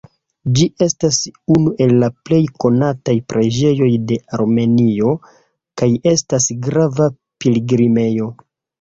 Ĝi estas unu el la plej konataj preĝejoj de Armenio kaj estas grava pilgrimejo.